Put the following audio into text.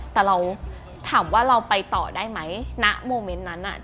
แต่เราถามว่าเราไปต่อได้ไหมณโมเมนต์นั้นน่ะ